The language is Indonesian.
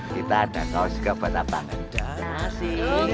kita ada kau suka penataan nasi